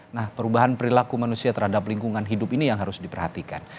nah perubahan perilaku manusia terhadap lingkungan hidup ini yang harus diperhatikan